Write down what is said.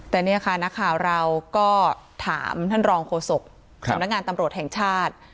แต่เนี่ยค่ะนักข่าวเราก็ถามท่านรองโฆษกสำนักงานตำรวจแห่งชาติ